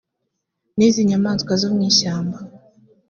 n iz inyamaswa zo mu ishyamba